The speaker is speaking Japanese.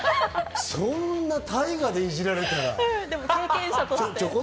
そんな大河でいじられたら。